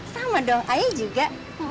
sama dong ayah juga